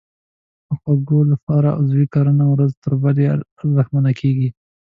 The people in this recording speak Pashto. د خوړو لپاره عضوي کرنه ورځ تر بلې ارزښتمنه کېږي.